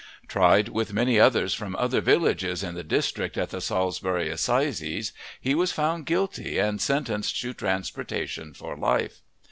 Tried with many others from other villages in the district at the Salisbury Assizes, he was found guilty and sentenced to transportation for life.